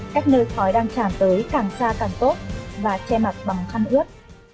cách nơi khói đang tràn tới càng xa càng tốt và che mặt bằng khăn ướt